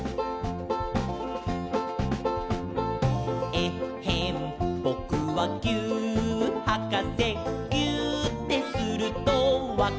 「えっへんぼくはぎゅーっはかせ」「ぎゅーってするとわかるんだ」